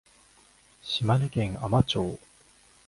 島根県海士町